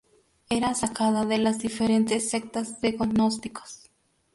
Era sacada de las diferentes sectas de gnósticos.